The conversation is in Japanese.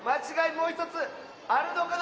もうひとつあるのかな？